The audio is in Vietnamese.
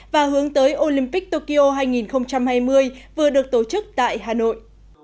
và hướng tới olympic tokyo hai nghìn hai mươi vừa được tổ chức tại hà nội